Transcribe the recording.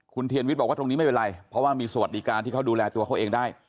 คุณเทียนวิทย์บอกว่าตรงนี้ไม่เป็นไรเพราะว่ามีสวัสดิการที่เขาดูแลตัวเขาเองได้